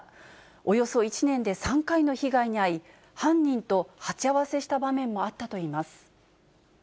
およそ１年で３回の被害に遭い、犯人と鉢合わせした場面もあったといいます。